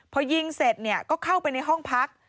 พอยิงเสร็จเนี่ยก็เข้าไปในห้องพัก